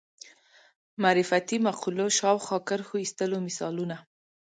معرفتي مقولو شاوخوا کرښو ایستلو مثالونه